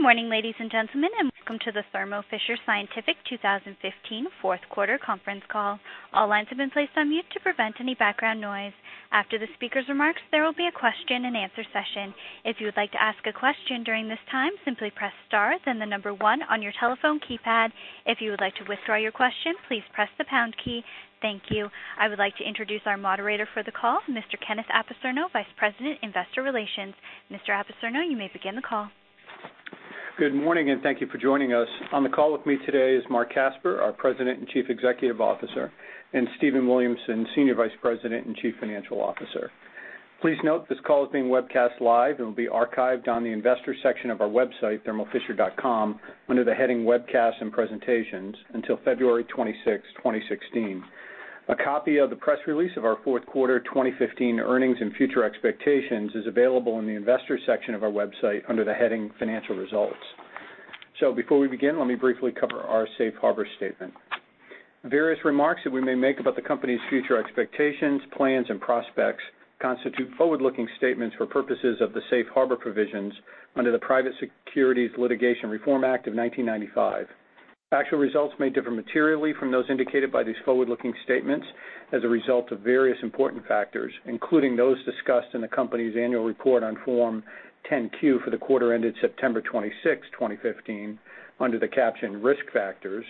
Good morning, ladies and gentlemen, and welcome to the Thermo Fisher Scientific 2015 fourth quarter conference call. All lines have been placed on mute to prevent any background noise. After the speaker's remarks, there will be a question and answer session. If you would like to ask a question during this time, simply press star then the number one on your telephone keypad. If you would like to withdraw your question, please press the pound key. Thank you. I would like to introduce our moderator for the call, Mr. Kenneth Apicerno, Vice President, Investor Relations. Mr. Apicerno, you may begin the call. Good morning, thank you for joining us. On the call with me today is Marc Casper, our President and Chief Executive Officer, and Stephen Williamson, Senior Vice President and Chief Financial Officer. Please note this call is being webcast live and will be archived on the investor section of our website, thermofisher.com, under the heading Webcasts & Presentations until February 26, 2016. A copy of the press release of our fourth quarter 2015 earnings and future expectations is available in the Investor section of our website under the heading Financial Results. Before we begin, let me briefly cover our safe harbor statement. Various remarks that we may make about the company's future expectations, plans, and prospects constitute forward-looking statements for purposes of the safe harbor provisions under the Private Securities Litigation Reform Act of 1995. Actual results may differ materially from those indicated by these forward-looking statements as a result of various important factors, including those discussed in the company's annual report on Form 10-K for the quarter ended September 26, 2015, under the caption Risk Factors,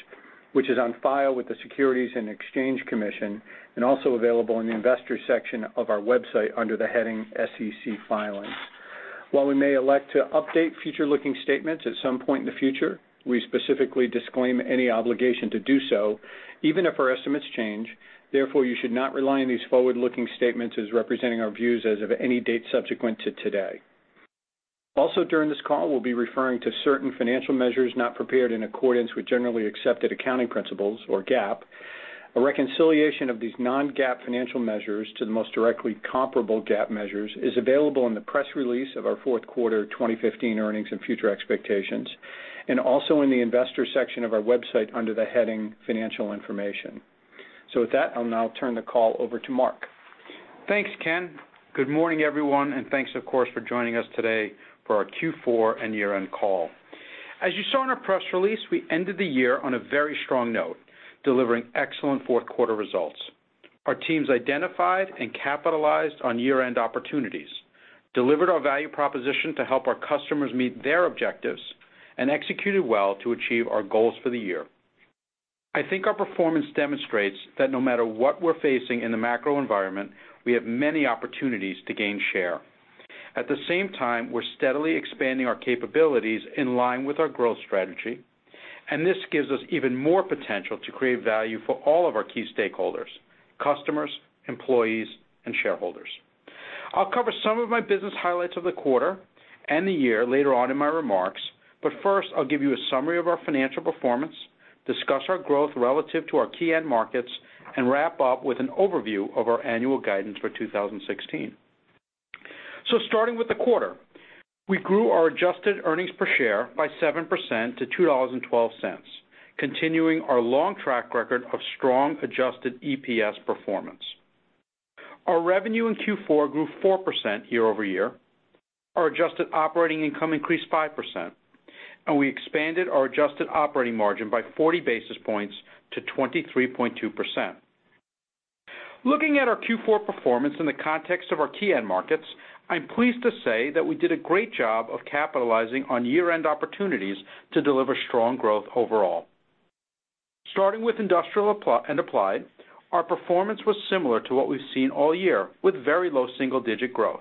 which is on file with the Securities and Exchange Commission and also available in the Investor section of our website under the heading SEC Filings. While we may elect to update forward-looking statements at some point in the future, we specifically disclaim any obligation to do so, even if our estimates change. Therefore, you should not rely on these forward-looking statements as representing our views as of any date subsequent to today. Also during this call, we'll be referring to certain financial measures not prepared in accordance with generally accepted accounting principles, or GAAP. A reconciliation of these non-GAAP financial measures to the most directly comparable GAAP measures is available in the press release of our fourth quarter 2015 earnings and future expectations, and also in the Investor section of our website under the heading Financial Information. With that, I'll now turn the call over to Marc. Thanks, Ken. Good morning, everyone, thanks, of course, for joining us today for our Q4 and year-end call. As you saw in our press release, we ended the year on a very strong note, delivering excellent fourth quarter results. Our teams identified and capitalized on year-end opportunities, delivered our value proposition to help our customers meet their objectives, and executed well to achieve our goals for the year. I think our performance demonstrates that no matter what we're facing in the macro environment, we have many opportunities to gain share. At the same time, we're steadily expanding our capabilities in line with our growth strategy, this gives us even more potential to create value for all of our key stakeholders, customers, employees, and shareholders. I'll cover some of my business highlights of the quarter and the year later on in my remarks, first, I'll give you a summary of our financial performance, discuss our growth relative to our key end markets, and wrap up with an overview of our annual guidance for 2016. Starting with the quarter, we grew our adjusted earnings per share by 7% to $2.12, continuing our long track record of strong adjusted EPS performance. Our revenue in Q4 grew 4% year-over-year. Our adjusted operating income increased 5%, we expanded our adjusted operating margin by 40 basis points to 23.2%. Looking at our Q4 performance in the context of our key end markets, I'm pleased to say that we did a great job of capitalizing on year-end opportunities to deliver strong growth overall. Starting with industrial and applied, our performance was similar to what we've seen all year, with very low single-digit growth.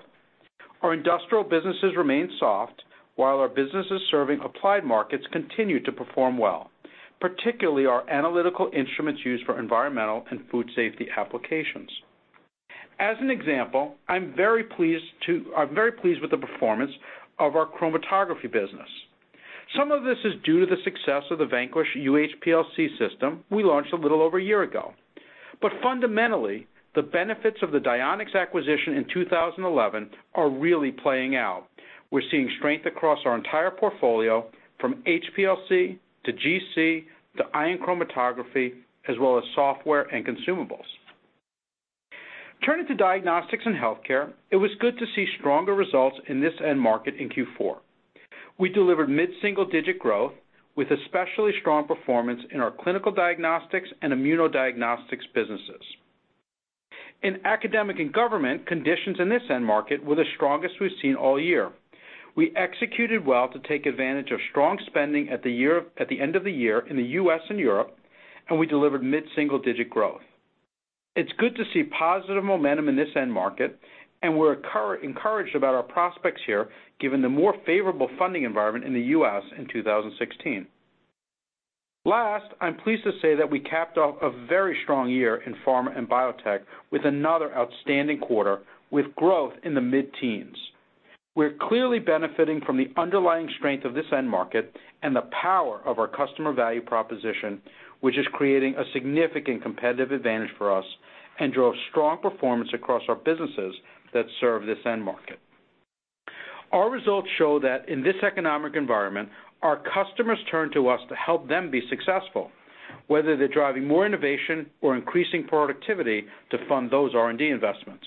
Our industrial businesses remained soft, while our businesses serving applied markets continued to perform well, particularly our Analytical Instruments used for environmental and food safety applications. As an example, I'm very pleased with the performance of our chromatography business. Some of this is due to the success of the Vanquish UHPLC system we launched a little over a year ago. Fundamentally, the benefits of the Dionex acquisition in 2011 are really playing out. We're seeing strength across our entire portfolio from HPLC to GC to ion chromatography, as well as software and consumables. Turning to diagnostics and healthcare, it was good to see stronger results in this end market in Q4. We delivered mid-single digit growth with especially strong performance in our clinical diagnostics and immunodiagnostics businesses. In academic and government, conditions in this end market were the strongest we've seen all year. We executed well to take advantage of strong spending at the end of the year in the U.S. and Europe, we delivered mid-single digit growth. It's good to see positive momentum in this end market, we're encouraged about our prospects here, given the more favorable funding environment in the U.S. in 2016. Last, I'm pleased to say that we capped off a very strong year in pharma and biotech with another outstanding quarter with growth in the mid-teens. We're clearly benefiting from the underlying strength of this end market and the power of our customer value proposition, which is creating a significant competitive advantage for us and drove strong performance across our businesses that serve this end market. Our results show that in this economic environment, our customers turn to us to help them be successful, whether they're driving more innovation or increasing productivity to fund those R&D investments.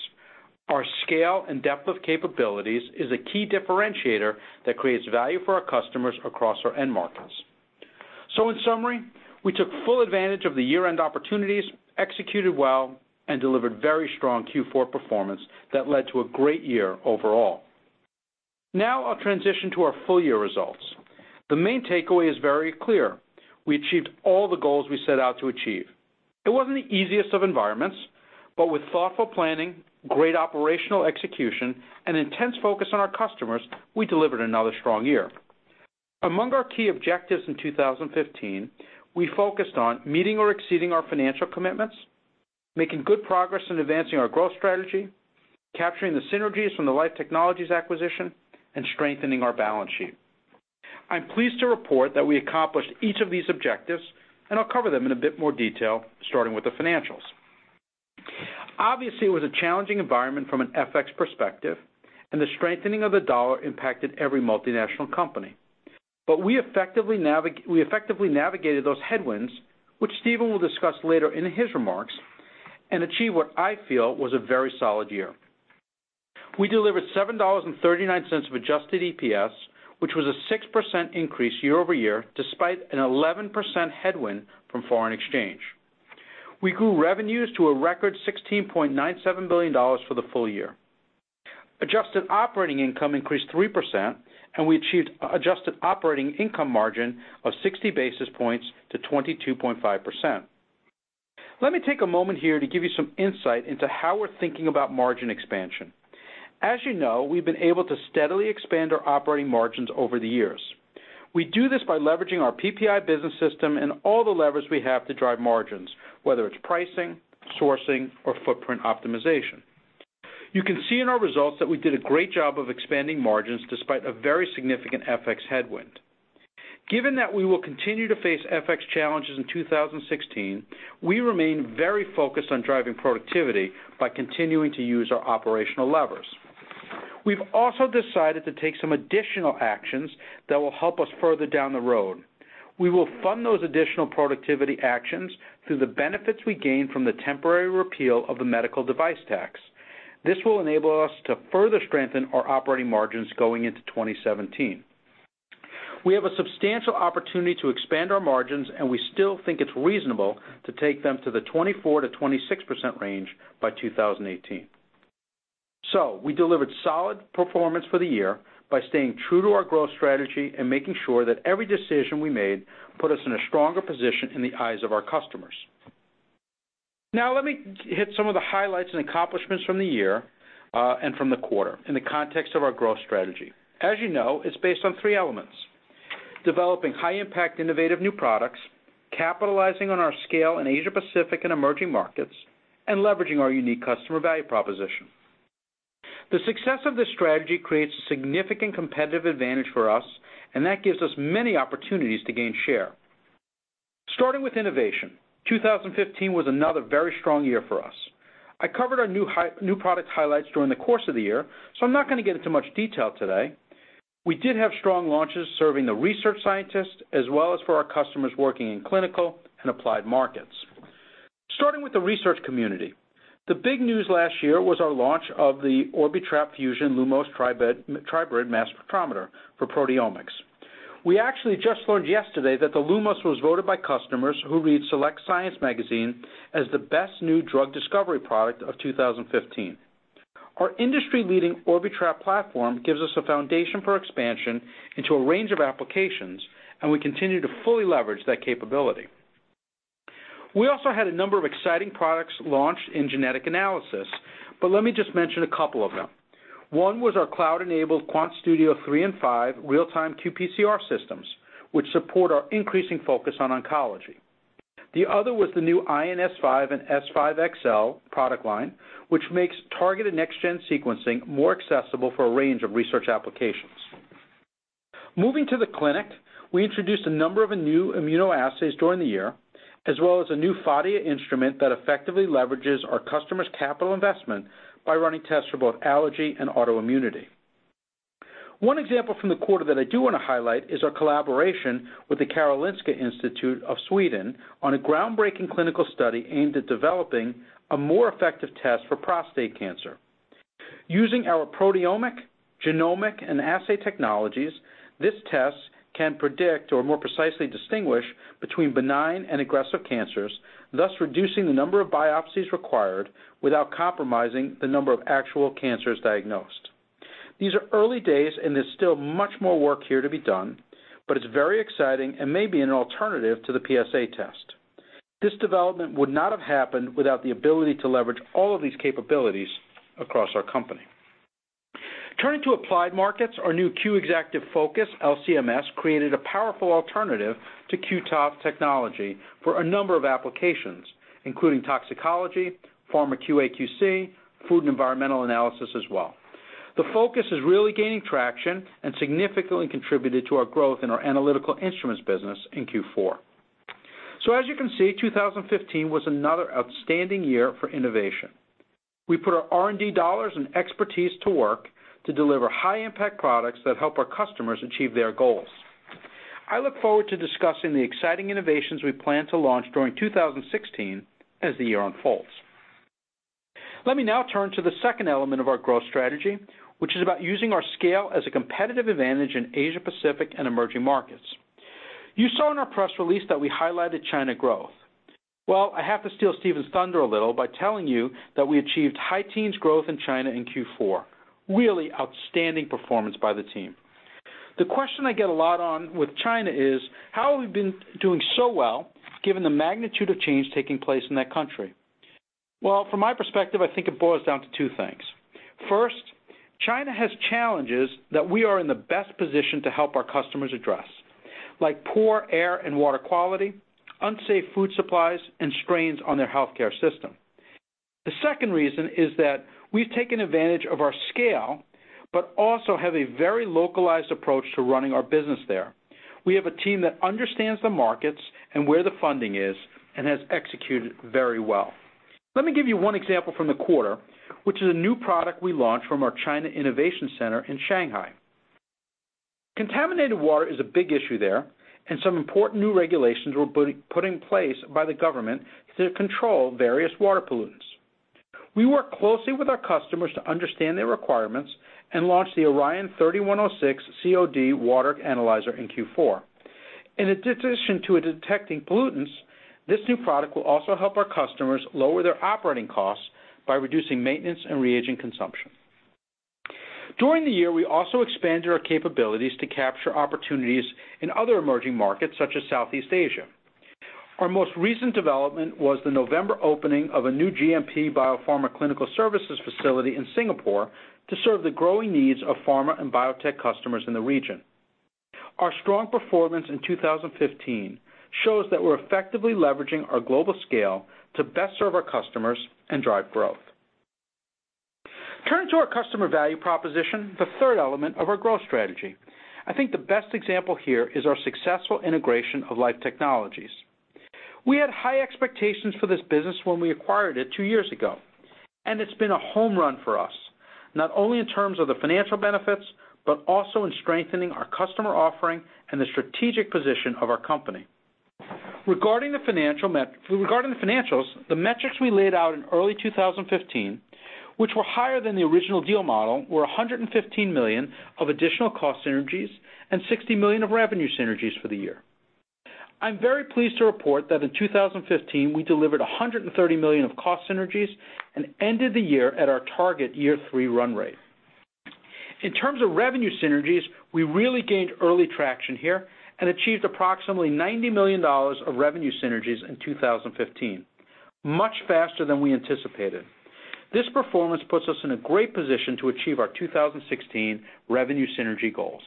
Our scale and depth of capabilities is a key differentiator that creates value for our customers across our end markets. In summary, we took full advantage of the year-end opportunities, executed well, and delivered very strong Q4 performance that led to a great year overall. I'll transition to our full-year results. The main takeaway is very clear. We achieved all the goals we set out to achieve. It wasn't the easiest of environments, but with thoughtful planning, great operational execution, and intense focus on our customers, we delivered another strong year. Among our key objectives in 2015, we focused on meeting or exceeding our financial commitments, making good progress in advancing our growth strategy, capturing the synergies from the Life Technologies acquisition, and strengthening our balance sheet. I'm pleased to report that we accomplished each of these objectives, and I'll cover them in a bit more detail, starting with the financials. Obviously, it was a challenging environment from an FX perspective, and the strengthening of the dollar impacted every multinational company. We effectively navigated those headwinds, which Stephen will discuss later in his remarks, and achieved what I feel was a very solid year. We delivered $7.39 of adjusted EPS, which was a 6% increase year-over-year, despite an 11% headwind from foreign exchange. We grew revenues to a record $16.97 billion for the full year. Adjusted operating income increased 3%, and we achieved adjusted operating income margin of 60 basis points to 22.5%. Let me take a moment here to give you some insight into how we're thinking about margin expansion. As you know, we've been able to steadily expand our operating margins over the years. We do this by leveraging our PPI business system and all the levers we have to drive margins, whether it's pricing, sourcing, or footprint optimization. You can see in our results that we did a great job of expanding margins despite a very significant FX headwind. Given that we will continue to face FX challenges in 2016, we remain very focused on driving productivity by continuing to use our operational levers. We've also decided to take some additional actions that will help us further down the road. We will fund those additional productivity actions through the benefits we gain from the temporary repeal of the medical device tax. This will enable us to further strengthen our operating margins going into 2017. We have a substantial opportunity to expand our margins, and we still think it's reasonable to take them to the 24%-26% range by 2018. We delivered solid performance for the year by staying true to our growth strategy and making sure that every decision we made put us in a stronger position in the eyes of our customers. Let me hit some of the highlights and accomplishments from the year, and from the quarter in the context of our growth strategy. As you know, it's based on three elements: developing high-impact, innovative new products, capitalizing on our scale in Asia-Pacific and emerging markets, and leveraging our unique customer value proposition. The success of this strategy creates a significant competitive advantage for us. That gives us many opportunities to gain share. Starting with innovation, 2015 was another very strong year for us. I covered our new product highlights during the course of the year, so I am not going to get into much detail today. We did have strong launches serving the research scientists as well as for our customers working in clinical and applied markets. Starting with the research community, the big news last year was our launch of the Orbitrap Fusion Lumos Tribrid Mass Spectrometer for proteomics. We actually just learned yesterday that the Lumos was voted by customers who read SelectScience magazine as the best new drug discovery product of 2015. Our industry-leading Orbitrap platform gives us a foundation for expansion into a range of applications. We continue to fully leverage that capability. We also had a number of exciting products launched in genetic analysis. Let me just mention a couple of them. One was our cloud-enabled QuantStudio 3 and 5 real-time qPCR systems, which support our increasing focus on oncology. The other was the new Ion S5 and S5 XL product line, which makes targeted next-gen sequencing more accessible for a range of research applications. Moving to the clinic, we introduced a number of new immunoassays during the year, as well as a new Phadia instrument that effectively leverages our customers' capital investment by running tests for both allergy and autoimmunity. One example from the quarter that I do want to highlight is our collaboration with the Karolinska Institute of Sweden on a groundbreaking clinical study aimed at developing a more effective test for prostate cancer. Using our proteomic, genomic, and assay technologies, this test can predict, or more precisely, distinguish between benign and aggressive cancers, thus reducing the number of biopsies required without compromising the number of actual cancers diagnosed. These are early days. There is still much more work here to be done, but it is very exciting and may be an alternative to the PSA test. This development would not have happened without the ability to leverage all of these capabilities across our company. Turning to applied markets, our new Q Exactive Focus LC-MS created a powerful alternative to Q-TOF technology for a number of applications, including toxicology, pharma QA/QC, food and environmental analysis as well. The Focus is really gaining traction and significantly contributed to our growth in our Analytical Instruments business in Q4. As you can see, 2015 was another outstanding year for innovation. We put our R&D dollars and expertise to work to deliver high-impact products that help our customers achieve their goals. I look forward to discussing the exciting innovations we plan to launch during 2016 as the year unfolds. Let me now turn to the second element of our growth strategy, which is about using our scale as a competitive advantage in Asia-Pacific and emerging markets. You saw in our press release that we highlighted China growth. I have to steal Stephen's thunder a little by telling you that we achieved high teens growth in China in Q4. Really outstanding performance by the team. The question I get a lot on with China is, how have we been doing so well given the magnitude of change taking place in that country? From my perspective, I think it boils down to two things. First, China has challenges that we are in the best position to help our customers address, like poor air and water quality, unsafe food supplies, and strains on their healthcare system. The second reason is that we've taken advantage of our scale, also have a very localized approach to running our business there. We have a team that understands the markets and where the funding is and has executed very well. Let me give you one example from the quarter, which is a new product we launched from our China Innovation Center in Shanghai. Contaminated water is a big issue there, some important new regulations were put in place by the government to control various water pollutants. We work closely with our customers to understand their requirements launch the Orion 3106 COD analyzer in Q4. In addition to detecting pollutants, this new product will also help our customers lower their operating costs by reducing maintenance and reagent consumption. During the year, we also expanded our capabilities to capture opportunities in other emerging markets, such as Southeast Asia. Our most recent development was the November opening of a new GMP biopharma clinical services facility in Singapore to serve the growing needs of pharma and biotech customers in the region. Our strong performance in 2015 shows that we're effectively leveraging our global scale to best serve our customers and drive growth. Turning to our customer value proposition, the third element of our growth strategy. I think the best example here is our successful integration of Life Technologies. We had high expectations for this business when we acquired it two years ago, it's been a home run for us, not only in terms of the financial benefits, also in strengthening our customer offering and the strategic position of our company. Regarding the financials, the metrics we laid out in early 2015, which were higher than the original deal model, were $115 million of additional cost synergies and $60 million of revenue synergies for the year. I'm very pleased to report that in 2015, we delivered $130 million of cost synergies ended the year at our target year three run rate. In terms of revenue synergies, we really gained early traction here achieved approximately $90 million of revenue synergies in 2015, much faster than we anticipated. This performance puts us in a great position to achieve our 2016 revenue synergy goals.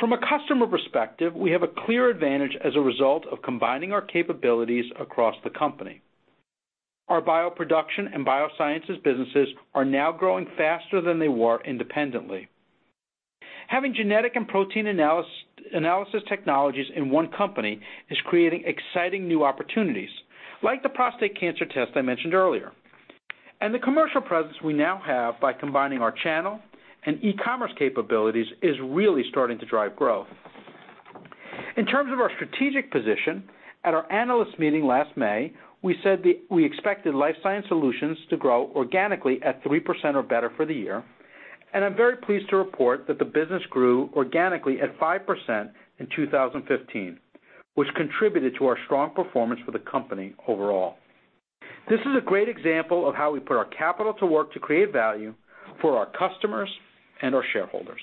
From a customer perspective, we have a clear advantage as a result of combining our capabilities across the company. Our bioproduction and biosciences businesses are now growing faster than they were independently. Having genetic and protein analysis technologies in one company is creating exciting new opportunities, like the prostate cancer test I mentioned earlier. The commercial presence we now have by combining our channel and e-commerce capabilities is really starting to drive growth. In terms of our strategic position, at our analyst meeting last May, we said we expected Life Science Solutions to grow organically at 3% or better for the year. I'm very pleased to report that the business grew organically at 5% in 2015, which contributed to our strong performance for the company overall. This is a great example of how we put our capital to work to create value for our customers and our shareholders.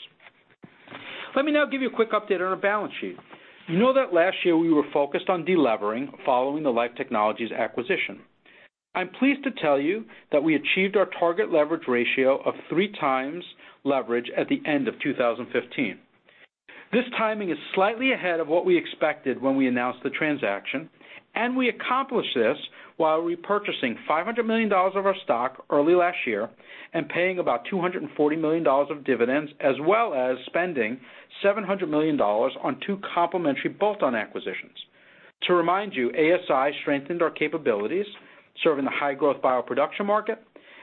Let me now give you a quick update on our balance sheet. You know that last year we were focused on delevering following the Life Technologies acquisition. I'm pleased to tell you that we achieved our target leverage ratio of three times leverage at the end of 2015. This timing is slightly ahead of what we expected when we announced the transaction, and we accomplished this while repurchasing $500 million of our stock early last year and paying about $240 million of dividends, as well as spending $700 million on two complementary bolt-on acquisitions. To remind you, ASI strengthened our capabilities, serving the high-growth bioproduction market,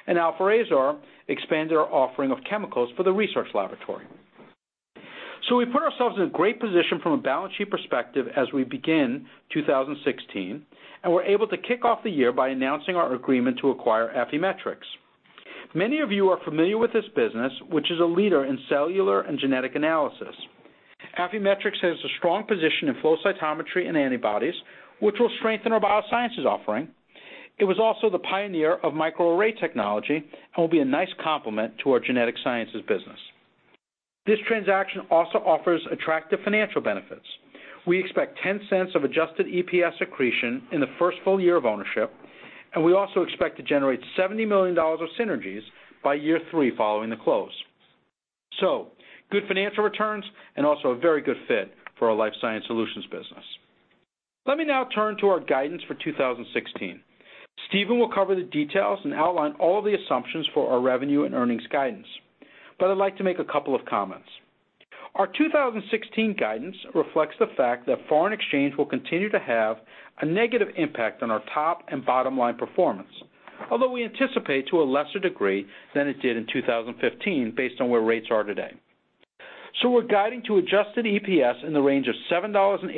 and Alfa Aesar expanded our offering of chemicals for the research laboratory. We've put ourselves in a great position from a balance sheet perspective as we begin 2016, and we're able to kick off the year by announcing our agreement to acquire Affymetrix. Many of you are familiar with this business, which is a leader in cellular and genetic analysis. Affymetrix has a strong position in flow cytometry and antibodies, which will strengthen our biosciences offering. It was also the pioneer of microarray technology and will be a nice complement to our genetic sciences business. This transaction also offers attractive financial benefits. We expect $0.10 of adjusted EPS accretion in the first full year of ownership, and we also expect to generate $70 million of synergies by year three following the close. Good financial returns and also a very good fit for our Life Science Solutions business. Let me now turn to our guidance for 2016. Stephen will cover the details and outline all the assumptions for our revenue and earnings guidance, but I'd like to make a couple of comments. Our 2016 guidance reflects the fact that foreign exchange will continue to have a negative impact on our top and bottom line performance. Although we anticipate to a lesser degree than it did in 2015, based on where rates are today. We're guiding to adjusted EPS in the range of $7.80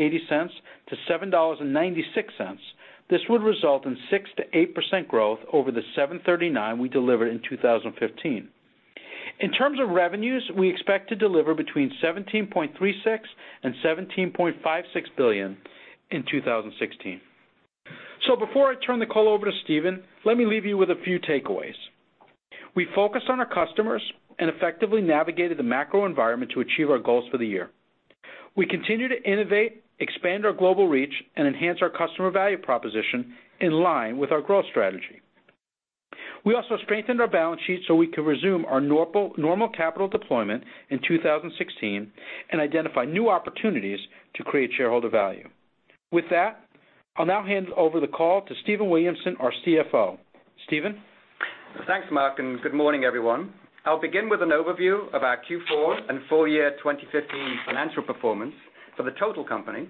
to $7.96. This would result in 6%-8% growth over the $7.39 we delivered in 2015. In terms of revenues, we expect to deliver between $17.36 billion and $17.56 billion in 2016. Before I turn the call over to Stephen, let me leave you with a few takeaways. We focused on our customers and effectively navigated the macro environment to achieve our goals for the year. We continue to innovate, expand our global reach, and enhance our customer value proposition in line with our growth strategy. We also strengthened our balance sheet so we could resume our normal capital deployment in 2016 and identify new opportunities to create shareholder value. With that, I'll now hand over the call to Stephen Williamson, our CFO. Stephen? Thanks, Marc, and good morning, everyone. I'll begin with an overview of our Q4 and full year 2015 financial performance for the total company.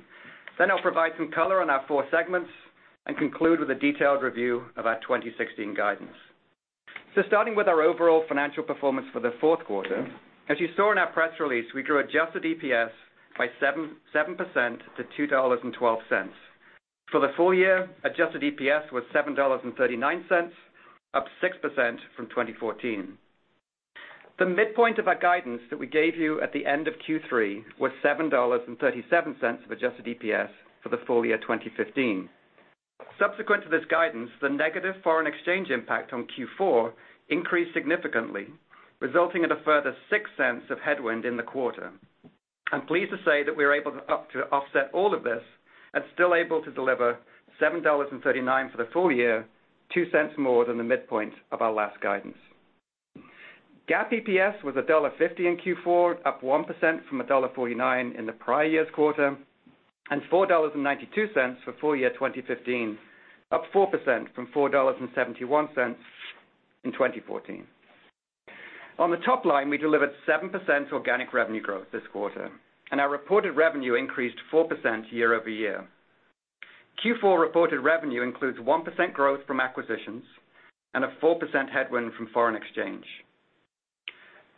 Then I'll provide some color on our four segments and conclude with a detailed review of our 2016 guidance. Starting with our overall financial performance for the fourth quarter, as you saw in our press release, we grew adjusted EPS by 7% to $2.12. For the full year, adjusted EPS was $7.39, up 6% from 2014. The midpoint of our guidance that we gave you at the end of Q3 was $7.37 of adjusted EPS for the full year 2015. Subsequent to this guidance, the negative foreign exchange impact on Q4 increased significantly, resulting in a further $0.06 of headwind in the quarter. I'm pleased to say that we were able to offset all of this and still able to deliver $7.39 for the full year, $0.02 more than the midpoint of our last guidance. GAAP EPS was $1.50 in Q4, up 1% from $1.49 in the prior year's quarter, and $4.92 for full year 2015, up 4% from $4.71 in 2014. On the top line, we delivered 7% organic revenue growth this quarter, and our reported revenue increased 4% year-over-year. Q4 reported revenue includes 1% growth from acquisitions and a 4% headwind from foreign exchange.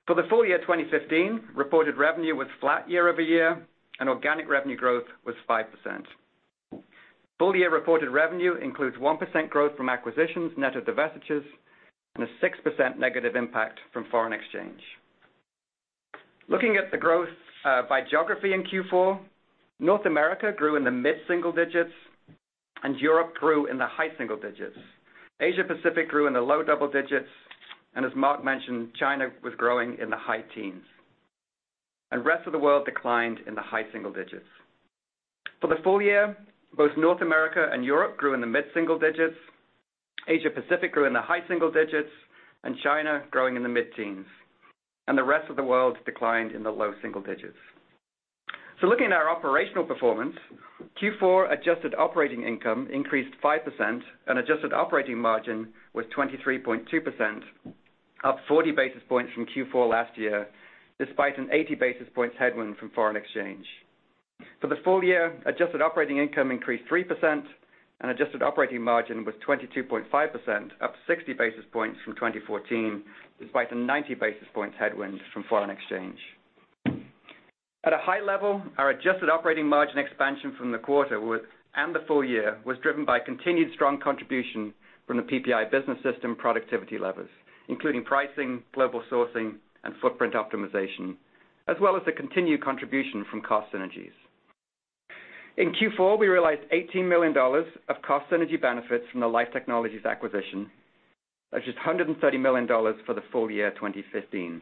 For the full year 2015, reported revenue was flat year-over-year, and organic revenue growth was 5%. Full-year reported revenue includes 1% growth from acquisitions net of divestitures and a 6% negative impact from foreign exchange. Looking at the growth by geography in Q4, North America grew in the mid-single digits, and Europe grew in the high single digits. Asia Pacific grew in the low double digits, and as Marc mentioned, China was growing in the high teens. Rest of the world declined in the high single digits. For the full year, both North America and Europe grew in the mid-single digits, Asia Pacific grew in the high single digits, and China growing in the mid-teens, and the rest of the world declined in the low single digits. Looking at our operational performance, Q4 adjusted operating income increased 5%, and adjusted operating margin was 23.2%, up 40 basis points from Q4 last year, despite an 80 basis points headwind from foreign exchange. For the full year, adjusted operating income increased 3%, and adjusted operating margin was 22.5%, up 60 basis points from 2014, despite a 90 basis points headwind from foreign exchange. At a high level, our adjusted operating margin expansion from the quarter and the full year was driven by continued strong contribution from the PPI business system productivity levers, including pricing, global sourcing, and footprint optimization, as well as the continued contribution from cost synergies. In Q4, we realized $18 million of cost synergy benefits from the Life Technologies acquisition, which is $130 million for the full year 2015.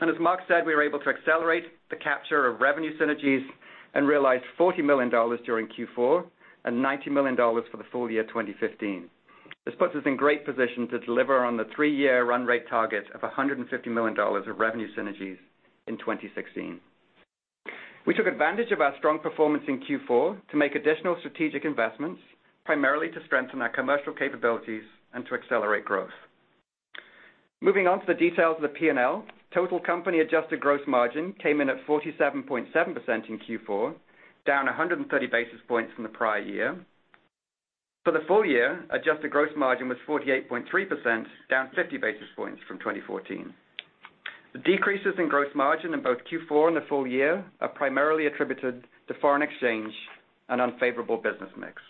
As Marc said, we were able to accelerate the capture of revenue synergies and realized $40 million during Q4 and $90 million for the full year 2015. This puts us in great position to deliver on the three-year run rate target of $150 million of revenue synergies in 2016. We took advantage of our strong performance in Q4 to make additional strategic investments, primarily to strengthen our commercial capabilities and to accelerate growth. Moving on to the details of the P&L, total company adjusted gross margin came in at 47.7% in Q4, down 130 basis points from the prior year. For the full year, adjusted gross margin was 48.3%, down 50 basis points from 2014. The decreases in gross margin in both Q4 and the full year are primarily attributed to foreign exchange and unfavorable business mix.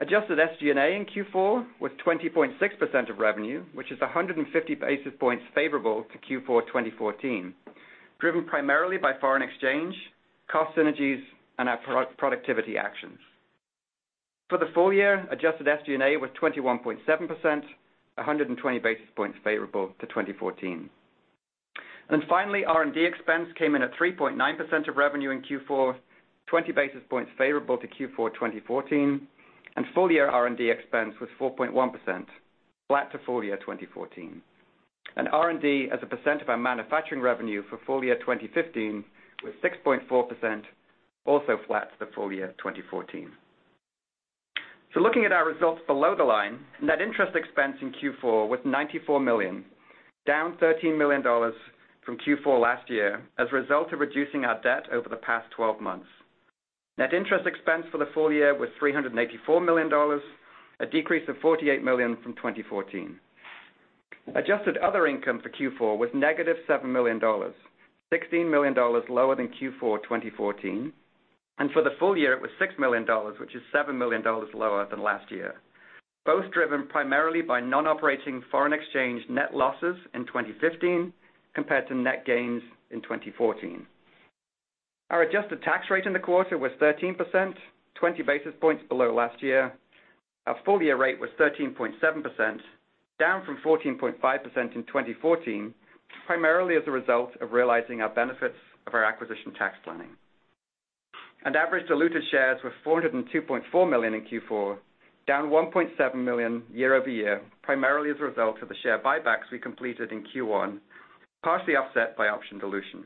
Adjusted SG&A in Q4 was 20.6% of revenue, which is 150 basis points favorable to Q4 2014, driven primarily by foreign exchange, cost synergies, and our productivity actions. For the full year, adjusted SG&A was 21.7%, 120 basis points favorable to 2014. Finally, R&D expense came in at 3.9% of revenue in Q4, 20 basis points favorable to Q4 2014. Full-year R&D expense was 4.1%, flat to full year 2014. R&D as a percent of our manufacturing revenue for full year 2015 was 6.4%, also flat to full year 2014. Looking at our results below the line, net interest expense in Q4 was $94 million, down $13 million from Q4 last year as a result of reducing our debt over the past 12 months. Net interest expense for the full year was $384 million, a decrease of $48 million from 2014. Adjusted other income for Q4 was negative $7 million, $16 million lower than Q4 2014. For the full year, it was $6 million, which is $7 million lower than last year, both driven primarily by non-operating foreign exchange net losses in 2015 compared to net gains in 2014. Our adjusted tax rate in the quarter was 13%, 20 basis points below last year. Our full-year rate was 13.7%, down from 14.5% in 2014, primarily as a result of realizing our benefits of our acquisition tax planning. Average diluted shares were 402.4 million in Q4, down 1.7 million year-over-year, primarily as a result of the share buybacks we completed in Q1, partially offset by option dilution.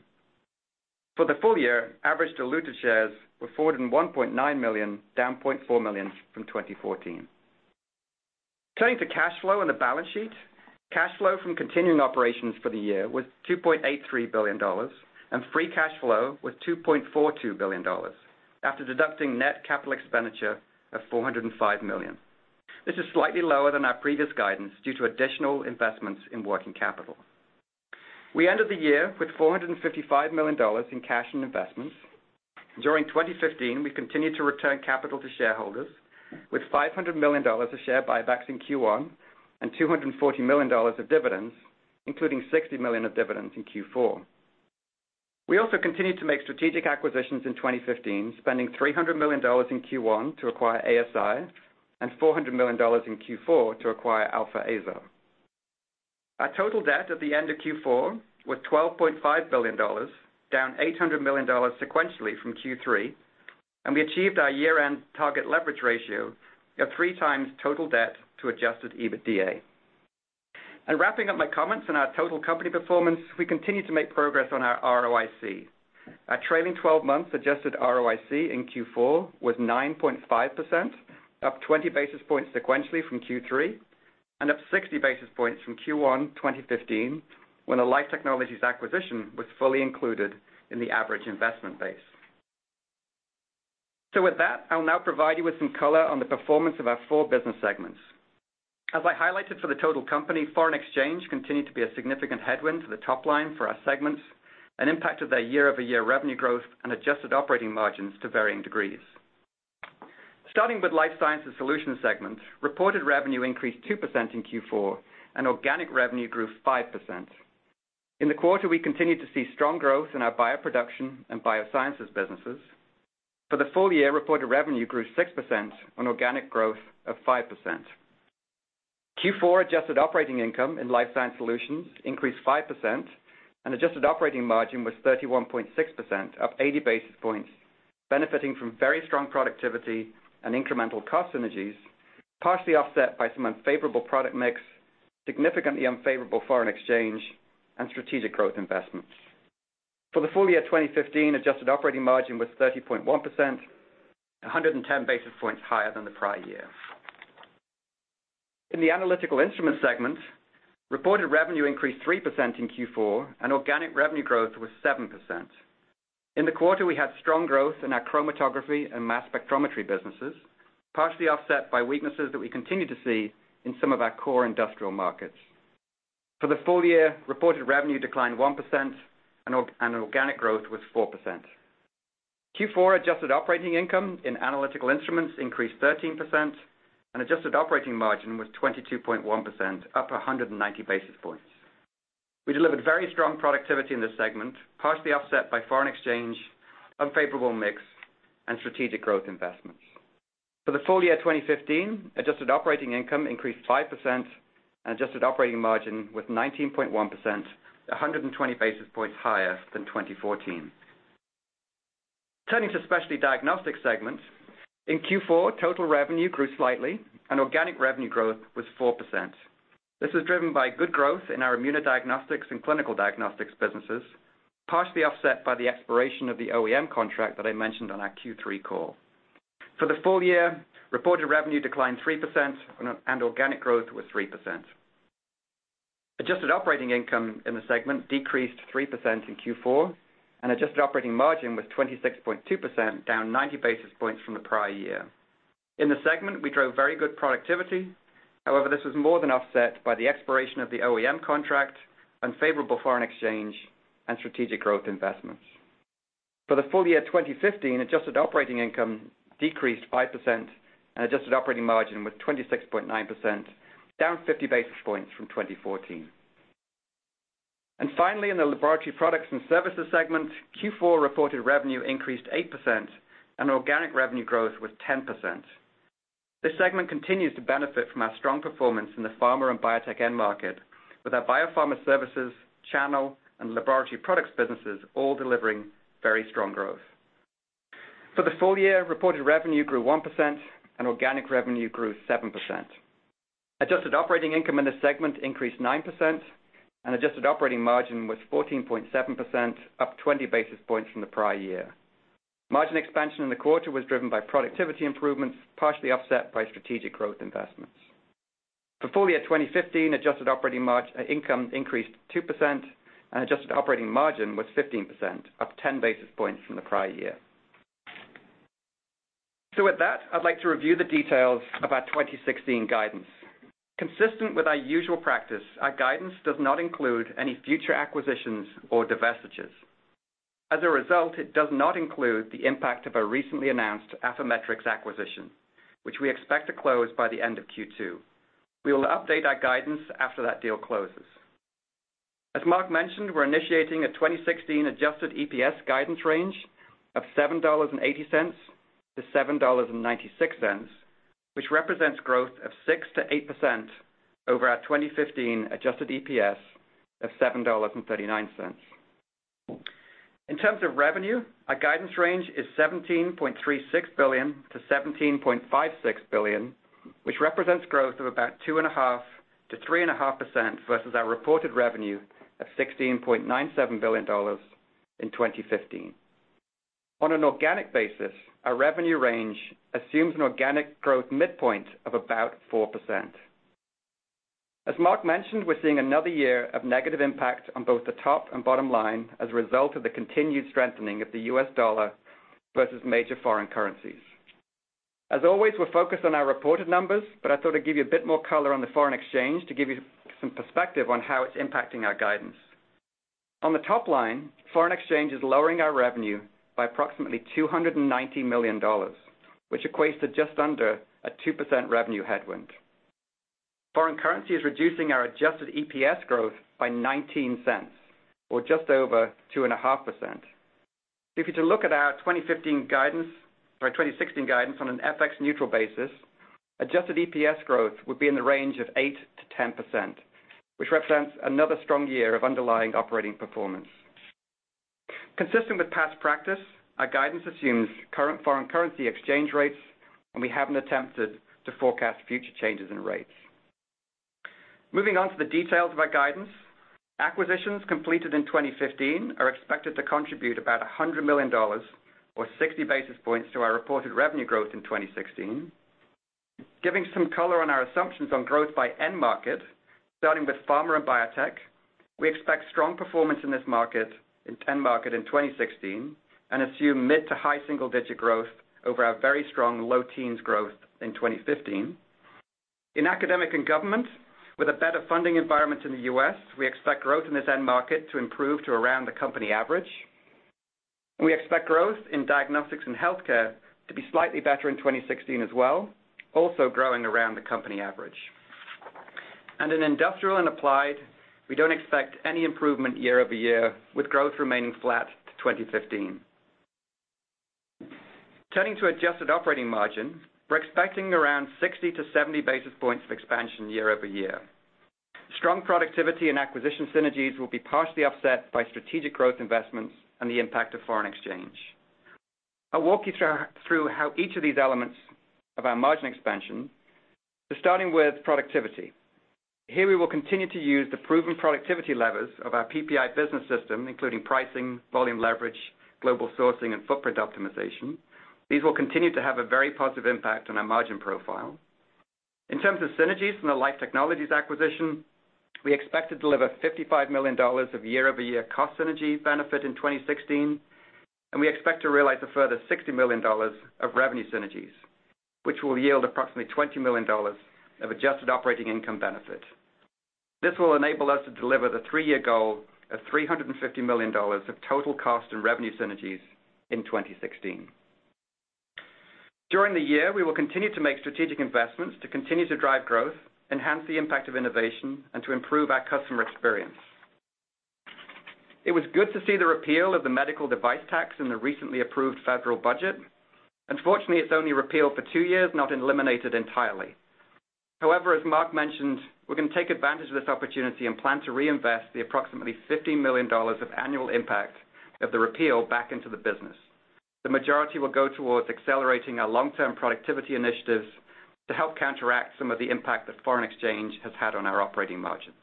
For the full year, average diluted shares were 401.9 million, down 0.4 million from 2014. Turning to cash flow and the balance sheet. Cash flow from continuing operations for the year was $2.83 billion. Free cash flow was $2.42 billion, after deducting net capital expenditure of $405 million. This is slightly lower than our previous guidance due to additional investments in working capital. We ended the year with $455 million in cash and investments. During 2015, we continued to return capital to shareholders with $500 million of share buybacks in Q1, $240 million of dividends, including $60 million of dividends in Q4. We also continued to make strategic acquisitions in 2015, spending $300 million in Q1 to acquire ASI and $400 million in Q4 to acquire Alfa Aesar. Our total debt at the end of Q4 was $12.5 billion, down $800 million sequentially from Q3. We achieved our year-end target leverage ratio of three times total debt to adjusted EBITDA. Wrapping up my comments on our total company performance, we continue to make progress on our ROIC. Our trailing 12 months adjusted ROIC in Q4 was 9.5%, up 20 basis points sequentially from Q3, and up 60 basis points from Q1 2015, when the Life Technologies acquisition was fully included in the average investment base. With that, I'll now provide you with some color on the performance of our four business segments. As I highlighted for the total company, foreign exchange continued to be a significant headwind to the top line for our segments and impacted their year-over-year revenue growth and adjusted operating margins to varying degrees. Starting with Life Sciences Solutions segment, reported revenue increased 2% in Q4, and organic revenue grew 5%. In the quarter, we continued to see strong growth in our bioproduction and biosciences businesses. For the full year, reported revenue grew 6% on organic growth of 5%. Q4 adjusted operating income in Life Sciences Solutions increased 5% and adjusted operating margin was 31.6%, up 80 basis points, benefiting from very strong productivity and incremental cost synergies, partially offset by some unfavorable product mix, significantly unfavorable foreign exchange, and strategic growth investments. For the full year 2015, adjusted operating margin was 30.1%, 110 basis points higher than the prior year. In the Analytical Instruments segment, reported revenue increased 3% in Q4, and organic revenue growth was 7%. In the quarter, we had strong growth in our chromatography and mass spectrometry businesses, partially offset by weaknesses that we continue to see in some of our core industrial markets. For the full year, reported revenue declined 1%, and organic growth was 4%. Q4 adjusted operating income in Analytical Instruments increased 13%, and adjusted operating margin was 22.1%, up 190 basis points. We delivered very strong productivity in this segment, partially offset by foreign exchange, unfavorable mix, and strategic growth investments. For the full year 2015, adjusted operating income increased 5%, and adjusted operating margin was 19.1%, 120 basis points higher than 2014. Turning to Specialty Diagnostics segment. In Q4, total revenue grew slightly, and organic revenue growth was 4%. This was driven by good growth in our immunodiagnostics and clinical diagnostics businesses, partially offset by the expiration of the OEM contract that I mentioned on our Q3 call. For the full year, reported revenue declined 3%, and organic growth was 3%. Adjusted operating income in the segment decreased 3% in Q4, and adjusted operating margin was 26.2%, down 90 basis points from the prior year. In the segment, we drove very good productivity. However, this was more than offset by the expiration of the OEM contract, unfavorable foreign exchange, and strategic growth investments. For the full year 2015, adjusted operating income decreased 5%, and adjusted operating margin was 26.9%, down 50 basis points from 2014. Finally, in the Laboratory Products and Services segment, Q4 reported revenue increased 8%, and organic revenue growth was 10%. This segment continues to benefit from our strong performance in the pharma and biotech end market with our biopharma services, channel, and laboratory products businesses all delivering very strong growth. For the full year, reported revenue grew 1%, and organic revenue grew 7%. Adjusted operating income in this segment increased 9%, and adjusted operating margin was 14.7%, up 20 basis points from the prior year. Margin expansion in the quarter was driven by productivity improvements, partially offset by strategic growth investments. For full year 2015, adjusted operating margin income increased 2%, and adjusted operating margin was 15%, up 10 basis points from the prior year. With that, I'd like to review the details of our 2016 guidance. Consistent with our usual practice, our guidance does not include any future acquisitions or divestitures. As a result, it does not include the impact of our recently announced Affymetrix acquisition, which we expect to close by the end of Q2. We will update our guidance after that deal closes. As Marc mentioned, we're initiating a 2016 adjusted EPS guidance range of $7.80 to $7.96, which represents growth of 6%-8% over our 2015 adjusted EPS of $7.39. In terms of revenue, our guidance range is $17.36 billion-$17.56 billion, which represents growth of about 2.5%-3.5% versus our reported revenue of $16.97 billion in 2015. On an organic basis, our revenue range assumes an organic growth midpoint of about 4%. As Marc mentioned, we're seeing another year of negative impact on both the top and bottom line as a result of the continued strengthening of the U.S. dollar versus major foreign currencies. As always, we're focused on our reported numbers, but I thought I'd give you a bit more color on the foreign exchange to give you some perspective on how it's impacting our guidance. On the top line, foreign exchange is lowering our revenue by approximately $290 million, which equates to just under a 2% revenue headwind. Foreign currency is reducing our adjusted EPS growth by $0.19 or just over 2.5%. If you were to look at our 2016 guidance on an FX neutral basis, adjusted EPS growth would be in the range of 8%-10%, which represents another strong year of underlying operating performance. Consistent with past practice, our guidance assumes current foreign currency exchange rates, and we haven't attempted to forecast future changes in rates. Moving on to the details of our guidance. Acquisitions completed in 2015 are expected to contribute about $100 million or 60 basis points to our reported revenue growth in 2016. Giving some color on our assumptions on growth by end market, starting with pharma and biotech, we expect strong performance in this market in 2016 and assume mid to high single-digit growth over our very strong low teens growth in 2015. In academic and government, with a better funding environment in the U.S., we expect growth in this end market to improve to around the company average. We expect growth in diagnostics and healthcare to be slightly better in 2016 as well, also growing around the company average. In industrial and applied, we don't expect any improvement year-over-year, with growth remaining flat to 2015. Turning to adjusted operating margin, we're expecting around 60-70 basis points of expansion year-over-year. Strong productivity and acquisition synergies will be partially offset by strategic growth investments and the impact of foreign exchange. I'll walk you through how each of these elements of our margin expansion, starting with productivity. Here, we will continue to use the proven productivity levers of our PPI business system, including pricing, volume leverage, global sourcing, and footprint optimization. These will continue to have a very positive impact on our margin profile. In terms of synergies from the Life Technologies acquisition, we expect to deliver $55 million of year-over-year cost synergy benefit in 2016, and we expect to realize a further $60 million of revenue synergies, which will yield approximately $20 million of adjusted operating income benefit. This will enable us to deliver the three-year goal of $350 million of total cost and revenue synergies in 2016. During the year, we will continue to make strategic investments to continue to drive growth, enhance the impact of innovation, and to improve our customer experience. It was good to see the repeal of the medical device tax in the recently approved federal budget. Unfortunately, it's only repealed for two years, not eliminated entirely. However, as Marc mentioned, we're going to take advantage of this opportunity and plan to reinvest the approximately $50 million of annual impact of the repeal back into the business. The majority will go towards accelerating our long-term productivity initiatives to help counteract some of the impact that foreign exchange has had on our operating margins.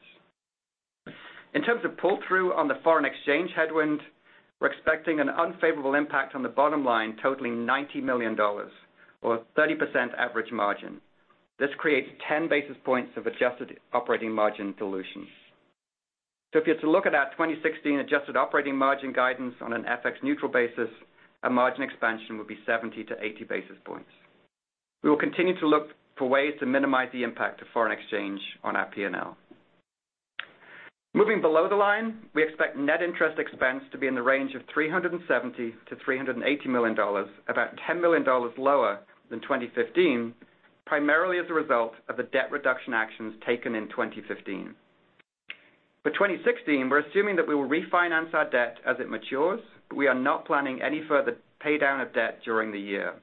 In terms of pull-through on the foreign exchange headwind, we're expecting an unfavorable impact on the bottom line totaling $90 million or 30% average margin. This creates 10 basis points of adjusted operating margin dilution. If you have to look at our 2016 adjusted operating margin guidance on an FX neutral basis, our margin expansion would be 70 to 80 basis points. We will continue to look for ways to minimize the impact of foreign exchange on our P&L. Moving below the line, we expect net interest expense to be in the range of $370 million-$380 million, about $10 million lower than 2015, primarily as a result of the debt reduction actions taken in 2015. For 2016, we're assuming that we will refinance our debt as it matures, but we are not planning any further paydown of debt during the year.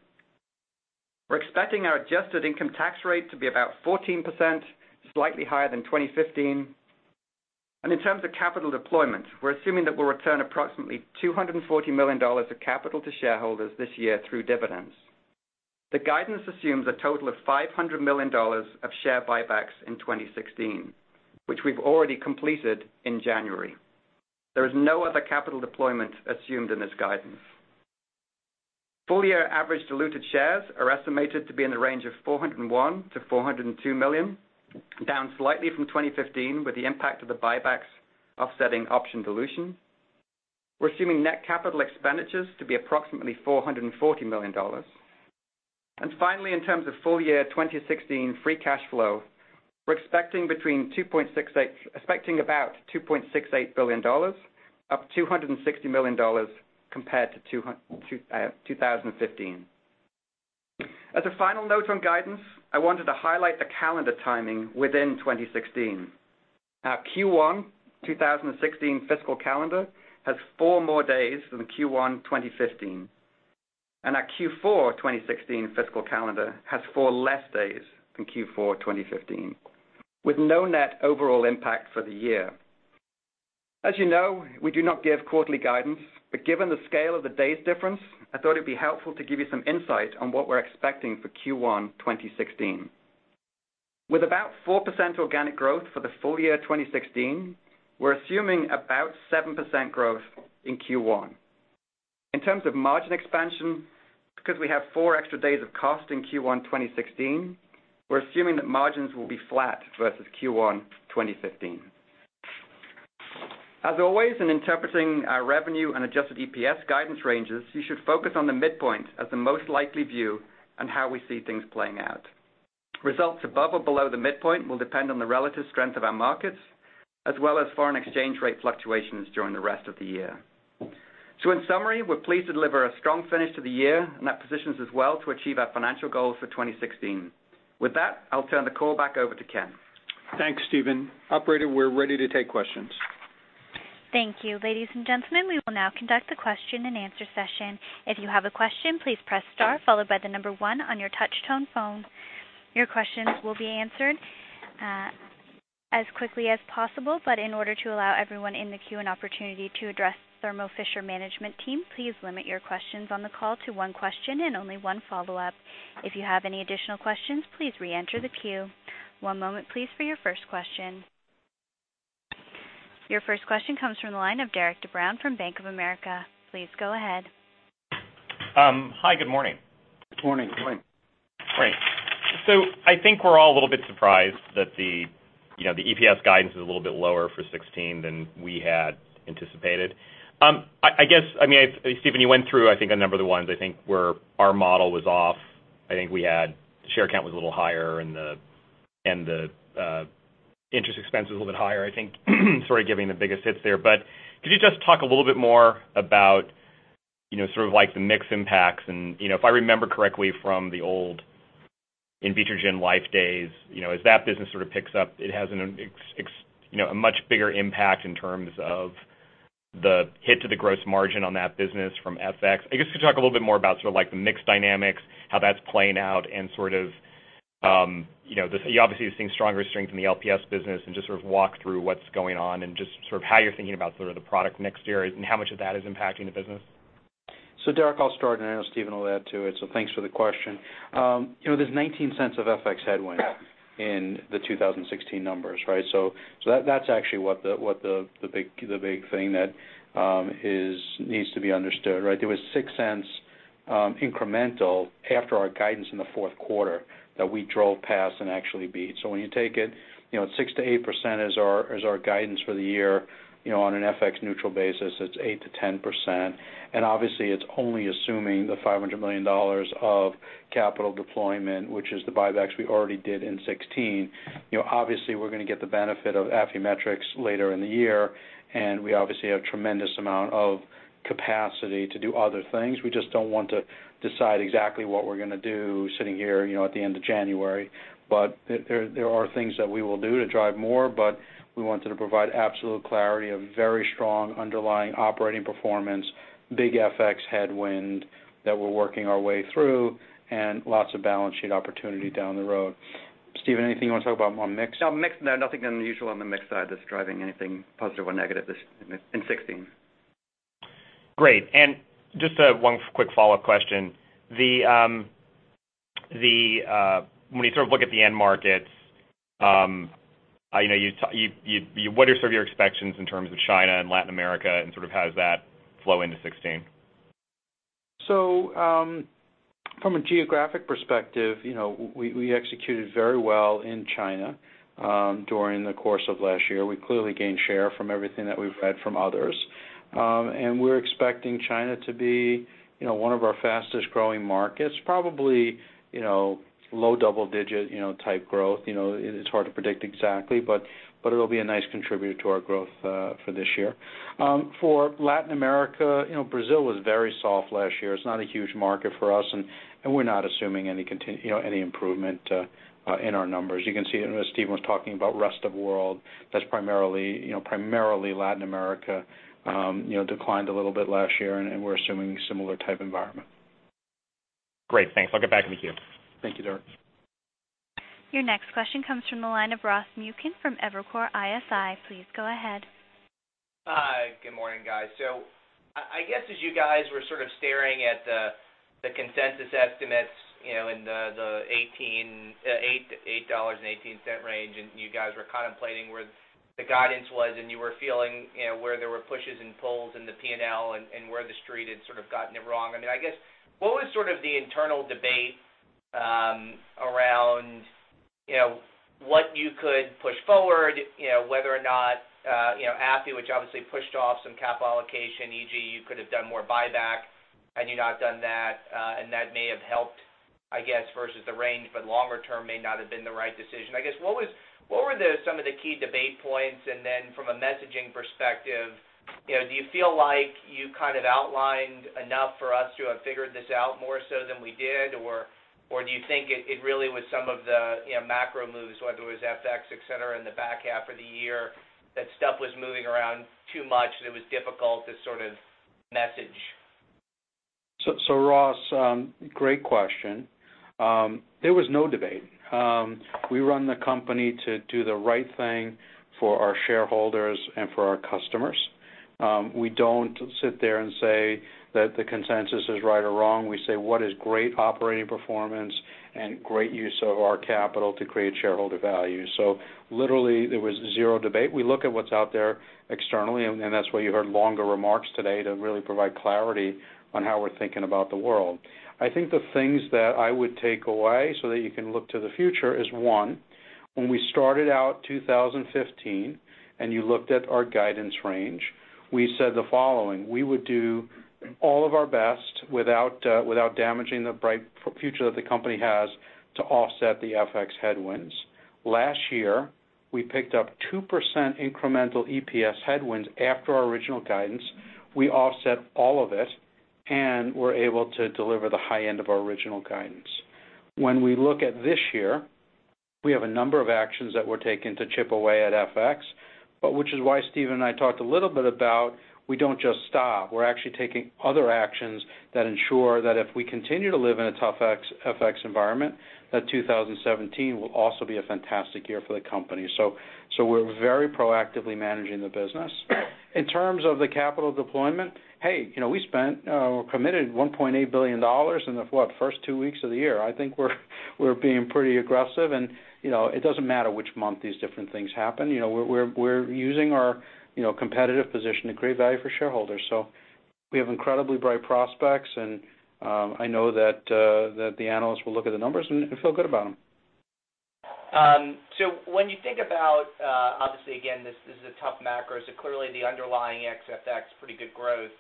We're expecting our adjusted income tax rate to be about 14%, slightly higher than 2015. In terms of capital deployment, we're assuming that we'll return approximately $240 million of capital to shareholders this year through dividends. The guidance assumes a total of $500 million of share buybacks in 2016, which we've already completed in January. There is no other capital deployment assumed in this guidance. Full year average diluted shares are estimated to be in the range of 401 million-402 million, down slightly from 2015, with the impact of the buybacks offsetting option dilution. We're assuming net capital expenditures to be approximately $440 million. Finally, in terms of full year 2016 free cash flow, we're expecting about $2.68 billion, up $260 million compared to 2015. As a final note on guidance, I wanted to highlight the calendar timing within 2016. Our Q1 2016 fiscal calendar has four more days than Q1 2015, and our Q4 2016 fiscal calendar has four less days than Q4 2015, with no net overall impact for the year. As you know, we do not give quarterly guidance, but given the scale of the days' difference, I thought it'd be helpful to give you some insight on what we're expecting for Q1 2016. With about 4% organic growth for the full year 2016, we're assuming about 7% growth in Q1. In terms of margin expansion, because we have four extra days of cost in Q1 2016, we're assuming that margins will be flat versus Q1 2015. As always, in interpreting our revenue and adjusted EPS guidance ranges, you should focus on the midpoint as the most likely view on how we see things playing out. Results above or below the midpoint will depend on the relative strength of our markets, as well as foreign exchange rate fluctuations during the rest of the year. In summary, we're pleased to deliver a strong finish to the year, and that positions us well to achieve our financial goals for 2016. With that, I'll turn the call back over to Ken. Thanks, Stephen. Operator, we're ready to take questions. Thank you. Ladies and gentlemen, we will now conduct the question and answer session. If you have a question, please press star followed by the number 1 on your touch-tone phone. Your questions will be answered as quickly as possible, but in order to allow everyone in the queue an opportunity to address Thermo Fisher management team, please limit your questions on the call to one question and only one follow-up. If you have any additional questions, please re-enter the queue. One moment please for your first question. Your first question comes from the line of Derik De Bruin from Bank of America. Please go ahead. Hi, good morning. Good morning. Great. I think we're all a little bit surprised that the EPS guidance is a little bit lower for 2016 than we had anticipated. I guess, Stephen, you went through, I think, a number of the ones, I think, where our model was off. I think we had share count was a little higher, and the interest expense was a little bit higher, I think, sort of giving the biggest hits there. Could you just talk a little bit more about sort of the mix impacts and if I remember correctly from the old Invitrogen LIFE days, as that business sort of picks up, it has a much bigger impact in terms of the hit to the gross margin on that business from FX. I guess, could you talk a little bit more about sort of the mix dynamics, how that's playing out, and sort of, you obviously are seeing stronger strength in the LPS business, and just sort of walk through what's going on and just sort of how you're thinking about sort of the product mix there and how much of that is impacting the business? Derik, I'll start, and I know Stephen will add to it. Thanks for the question. There's $0.19 of FX headwind in the 2016 numbers, right? That's actually what the big thing that needs to be understood, right? There was $0.06 incremental after our guidance in the fourth quarter that we drove past and actually beat. When you take it, 6%-8% is our guidance for the year. On an FX neutral basis, it's 8%-10%, and obviously it's only assuming the $500 million of capital deployment, which is the buybacks we already did in 2016. Obviously, we're going to get the benefit of Affymetrix later in the year, and we obviously have tremendous amount of capacity to do other things. We just don't want to decide exactly what we're going to do sitting here at the end of January. There are things that we will do to drive more, but we wanted to provide absolute clarity of very strong underlying operating performance, big FX headwind that we're working our way through, and lots of balance sheet opportunity down the road. Stephen, anything you want to talk about on mix? On mix, no, nothing unusual on the mix side that's driving anything positive or negative in 2016. Great. Just one quick follow-up question. When you sort of look at the end markets, what are some of your expectations in terms of China and Latin America and sort of how does that flow into 2016? From a geographic perspective, we executed very well in China during the course of last year. We clearly gained share from everything that we've read from others. We're expecting China to be one of our fastest-growing markets, probably low double-digit type growth. It's hard to predict exactly, but it'll be a nice contributor to our growth for this year. For Latin America, Brazil was very soft last year. It's not a huge market for us, and we're not assuming any improvement in our numbers. You can see, and as Stephen was talking about rest of world, that's primarily Latin America declined a little bit last year, and we're assuming similar type environment. Great. Thanks. I'll get back in the queue. Thank you, Derik. Your next question comes from the line of Ross Muken from Evercore ISI. Please go ahead. Hi, good morning, guys. I guess as you guys were sort of staring at the consensus estimates in the $8.18 range, and you guys were contemplating where the guidance was, and you were feeling where there were pushes and pulls in the P&L and where the street had sort of gotten it wrong. I guess, what was sort of the internal debate around what you could push forward, whether or not, Affymetrix, which obviously pushed off some capital allocation, e.g., you could have done more buyback, had you not done that, and that may have helped, I guess, versus the range, but longer term may not have been the right decision. I guess, what were some of the key debate points? Then from a messaging perspective, do you feel like you kind of outlined enough for us to have figured this out more so than we did? Do you think it really was some of the macro moves, whether it was FX, et cetera, in the back half of the year, that stuff was moving around too much, and it was difficult to sort of message? Ross, great question. There was no debate. We run the company to do the right thing for our shareholders and for our customers. We don't sit there and say that the consensus is right or wrong. We say what is great operating performance and great use of our capital to create shareholder value. Literally, there was zero debate. We look at what's out there externally, and that's why you heard longer remarks today to really provide clarity on how we're thinking about the world. I think the things that I would take away so that you can look to the future is, one, when we started out 2015, and you looked at our guidance range, we said the following: We would do all of our best without damaging the bright future that the company has to offset the FX headwinds. Last year, we picked up 2% incremental EPS headwinds after our original guidance. We offset all of it, and were able to deliver the high end of our original guidance. When we look at this year, we have a number of actions that we're taking to chip away at FX, but which is why Stephen and I talked a little bit about, we don't just stop. We're actually taking other actions that ensure that if we continue to live in a tough FX environment, that 2017 will also be a fantastic year for the company. We're very proactively managing the business. In terms of the capital deployment, hey, we committed $1.8 billion in the, what, first two weeks of the year. I think we're being pretty aggressive, and it doesn't matter which month these different things happen. We're using our competitive position to create value for shareholders. We have incredibly bright prospects, and I know that the analysts will look at the numbers and feel good about them. When you think about, obviously, again, this is a tough macro, clearly the underlying ex FX, pretty good growth.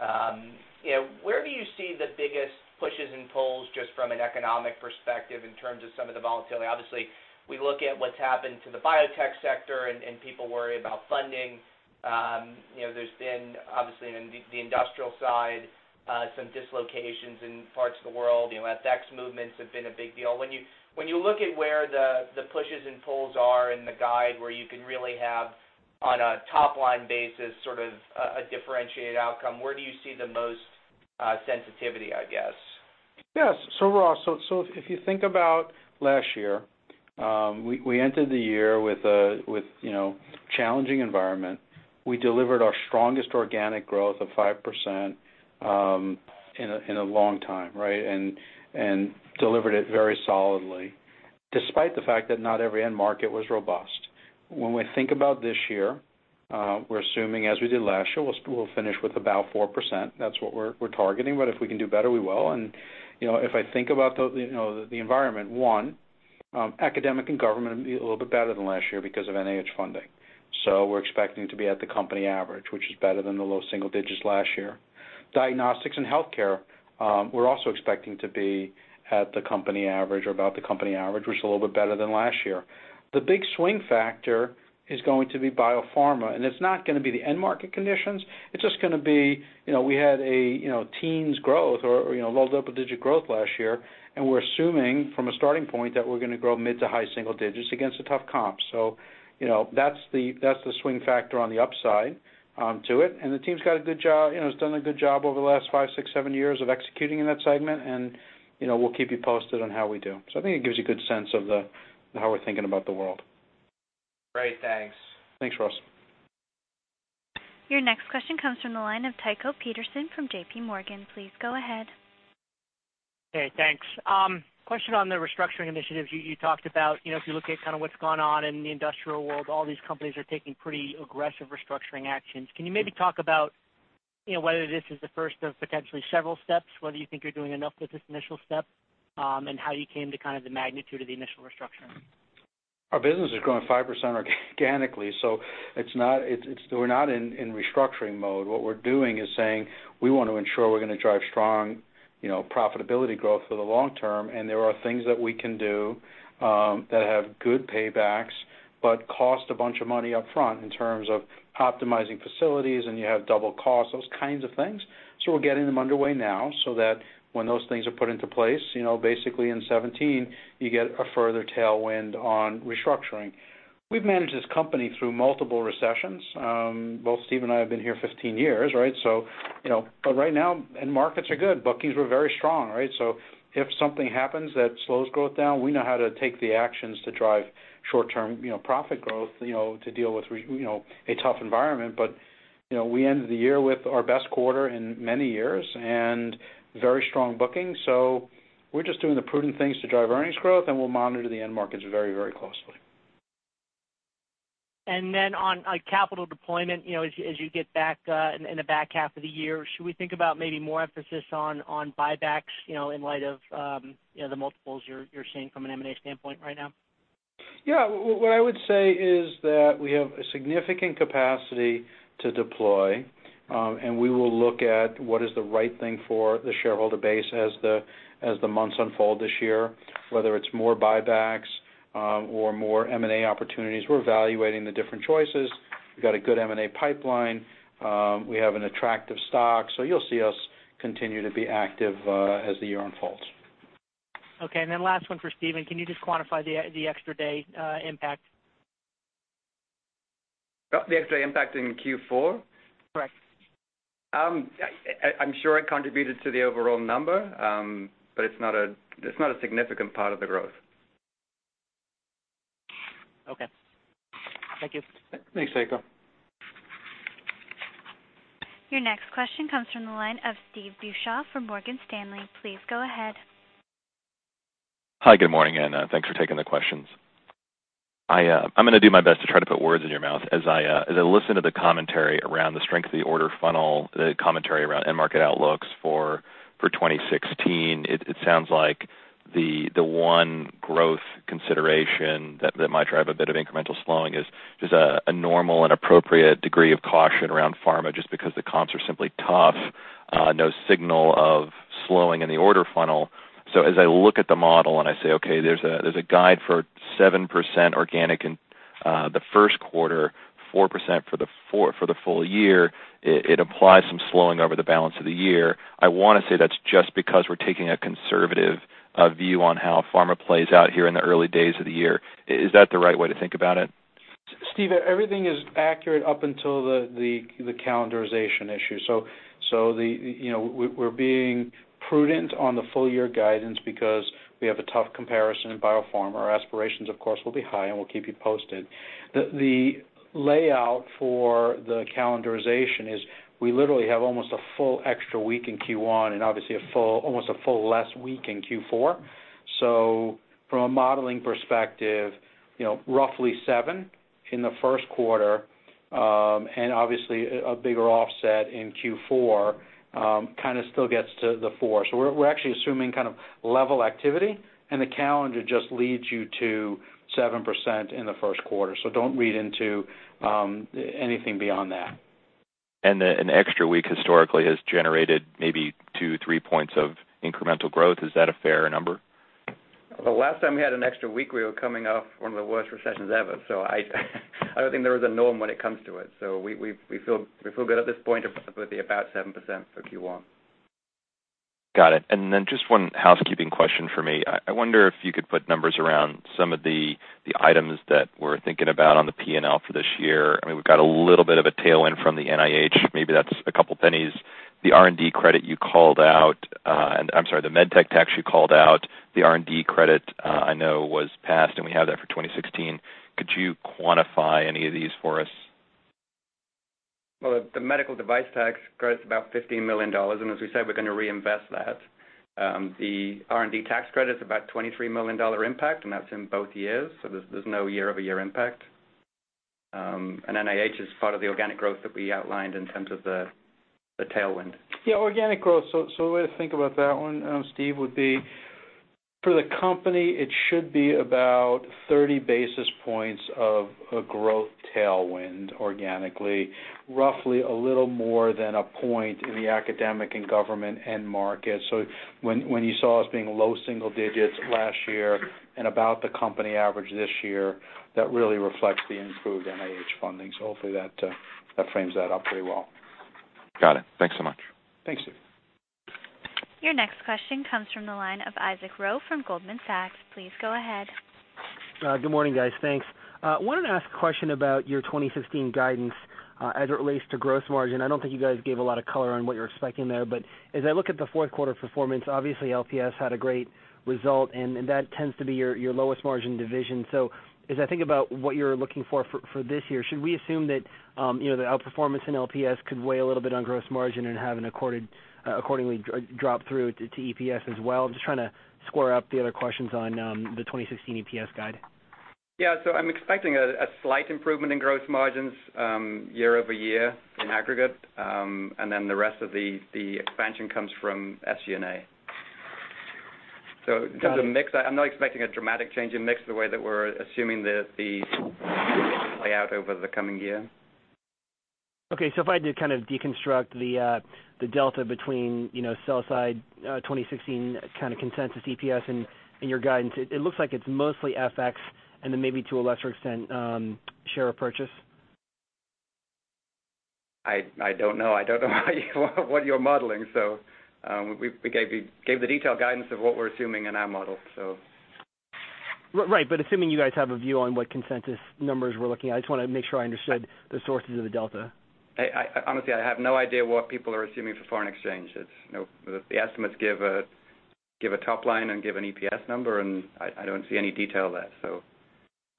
Where do you see the biggest pushes and pulls just from an economic perspective in terms of some of the volatility? Obviously, we look at what's happened to the biotech sector, and people worry about funding. There's been, obviously, in the industrial side, some dislocations in parts of the world. FX movements have been a big deal. When you look at where the pushes and pulls are in the guide, where you can really have, on a top-line basis, sort of a differentiated outcome, where do you see the most sensitivity, I guess? Yes. Ross, if you think about last year, we entered the year with challenging environment. We delivered our strongest organic growth of 5% in a long time, right? Delivered it very solidly, despite the fact that not every end market was robust. We think about this year, we're assuming as we did last year, we'll finish with about 4%. That's what we're targeting, but if we can do better, we will. If I think about the environment, one, academic and government will be a little bit better than last year because of NIH funding. We're expecting to be at the company average, which is better than the low single digits last year. Diagnostics and healthcare, we're also expecting to be at the company average or about the company average, which is a little bit better than last year. The big swing factor is going to be biopharma, it's not going to be the end market conditions. It's just going to be, we had a teens growth or low double-digit growth last year, we're assuming from a starting point that we're going to grow mid to high single digits against the tough comps. That's the swing factor on the upside to it, the team's done a good job over the last five, six, seven years of executing in that segment, and we'll keep you posted on how we do. I think it gives you a good sense of how we're thinking about the world. Great. Thanks. Thanks, Ross. Your next question comes from the line of Tycho Peterson from JPMorgan. Please go ahead. Hey, thanks. Question on the restructuring initiatives you talked about. If you look at kind of what's gone on in the industrial world, all these companies are taking pretty aggressive restructuring actions. Can you maybe talk about whether this is the first of potentially several steps, whether you think you're doing enough with this initial step, and how you came to kind of the magnitude of the initial restructuring? Our business is growing 5% organically. We're not in restructuring mode. What we're doing is saying we want to ensure we're going to drive strong profitability growth for the long term, and there are things that we can do that have good paybacks, but cost a bunch of money upfront in terms of optimizing facilities, and you have double costs, those kinds of things. We're getting them underway now so that when those things are put into place, basically in 2017, you get a further tailwind on restructuring. We've managed this company through multiple recessions. Both Steve and I have been here 15 years, right? Right now, end markets are good. Bookings were very strong, right? If something happens that slows growth down, we know how to take the actions to drive short-term profit growth, to deal with a tough environment. We ended the year with our best quarter in many years and very strong bookings. We're just doing the prudent things to drive earnings growth, and we'll monitor the end markets very closely. On capital deployment, as you get back in the back half of the year, should we think about maybe more emphasis on buybacks, in light of the multiples you're seeing from an M&A standpoint right now? Yeah. What I would say is that we have a significant capacity to deploy, and we will look at what is the right thing for the shareholder base as the months unfold this year, whether it's more buybacks or more M&A opportunities. We're evaluating the different choices. We've got a good M&A pipeline. We have an attractive stock, you'll see us continue to be active as the year unfolds. Last one for Stephen. Can you just quantify the extra day impact? The extra impact in Q4? Correct. I'm sure it contributed to the overall number, but it's not a significant part of the growth. Okay. Thank you. Thanks, Tycho. Your next question comes from the line of Steve Beuchaw from Morgan Stanley. Please go ahead. Hi, good morning, and thanks for taking the questions. I'm going to do my best to try to put words in your mouth as I listen to the commentary around the strength of the order funnel, the commentary around end market outlooks for 2016. It sounds like the one growth consideration that might drive a bit of incremental slowing is just a normal and appropriate degree of caution around pharma, just because the comps are simply tough. No signal of slowing in the order funnel. As I look at the model and I say, okay, there's a guide for 7% organic in the first quarter, 4% for the full year, it implies some slowing over the balance of the year. I want to say that's just because we're taking a conservative view on how pharma plays out here in the early days of the year. Is that the right way to think about it? Steve, everything is accurate up until the calendarization issue. We're being prudent on the full-year guidance because we have a tough comparison in biopharma. Our aspirations, of course, will be high, and we'll keep you posted. The layout for the calendarization is we literally have almost a full extra week in Q1 and obviously almost a full less week in Q4. From a modeling perspective, roughly 7% in the first quarter. Obviously a bigger offset in Q4, kind of still gets to the 4%. We're actually assuming kind of level activity, and the calendar just leads you to 7% in the first quarter. Don't read into anything beyond that. An extra week historically has generated maybe two, three points of incremental growth. Is that a fair number? The last time we had an extra week, we were coming off one of the worst recessions ever. I don't think there is a norm when it comes to it. We feel good at this point. It would be about 7% for Q1. Got it. Just one housekeeping question for me. I wonder if you could put numbers around some of the items that we're thinking about on the P&L for this year. We've got a little bit of a tailwind from the NIH. Maybe that's a couple of pennies. The R&D credit you called out, I'm sorry, the med tech tax you called out. The R&D credit, I know was passed, and we have that for 2016. Could you quantify any of these for us? Well, the medical device tax credit is about $15 million, and as we said, we're going to reinvest that. The R&D tax credit is about $23 million impact, and that's in both years, there's no year-over-year impact. NIH is part of the organic growth that we outlined in terms of the tailwind. Organic growth. A way to think about that one, Steve, would be for the company, it should be about 30 basis points of a growth tailwind organically, roughly a little more than a point in the academic and government end market. When you saw us being low single digits last year and about the company average this year, that really reflects the improved NIH funding. Hopefully that frames that up pretty well. Got it. Thanks so much. Thanks, Steve. Your next question comes from the line of Isaac Ro from Goldman Sachs. Please go ahead. Good morning, guys. Thanks. I wanted to ask a question about your 2016 guidance as it relates to gross margin. I don't think you guys gave a lot of color on what you're expecting there, but as I look at the fourth quarter performance, obviously LPS had a great result, and that tends to be your lowest margin division. As I think about what you're looking for this year, should we assume that the outperformance in LPS could weigh a little bit on gross margin and have an accordingly drop through to EPS as well? Just trying to square up the other questions on the 2016 EPS guide. Yeah. I'm expecting a slight improvement in gross margins year-over-year in aggregate. The rest of the expansion comes from SG&A. In terms of mix, I'm not expecting a dramatic change in mix the way that we're assuming the play out over the coming year. Okay. If I had to kind of deconstruct the delta between sell side 2016 kind of consensus EPS and your guidance, it looks like it's mostly FX and then maybe to a lesser extent, share purchase. I don't know. I don't know what you're modeling. We gave the detailed guidance of what we're assuming in our model. Right. Assuming you guys have a view on what consensus numbers we're looking at, I just want to make sure I understood the sources of the delta. Honestly, I have no idea what people are assuming for foreign exchanges. The estimates give a top line and give an EPS number, and I don't see any detail there, so.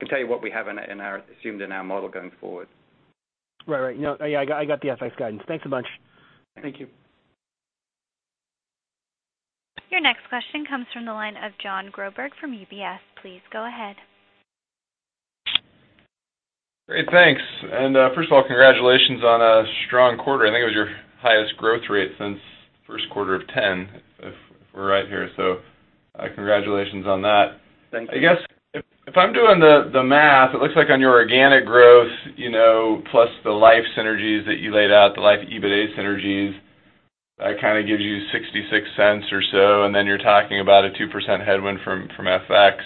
I can tell what we have assumed in our model going forward. Right. I got the FX guidance. Thanks a bunch. Thank you. Your next question comes from the line of Jon Groberg from UBS. Please go ahead. Great. Thanks. First of all, congratulations on a strong quarter. I think it was your highest growth rate since first quarter of 2010, if we're right here. Congratulations on that. Thank you. I guess, if I'm doing the math, it looks like on your organic growth, plus the life synergies that you laid out, the Life EBITDA synergies, that kind of gives you $0.66 or so, then you're talking about a 2% headwind from FX.